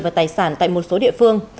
và tài sản tại một số địa phương